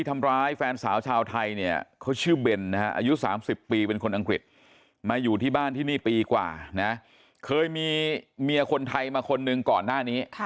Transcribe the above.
มาอยู่ที่บ้านที่นี่ปีกว่านะเคยมีเมียคนไทยมาคนหนึ่งก่อนหน้านี้